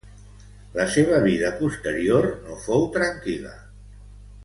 La seva vida posterior no fou tranquil·la.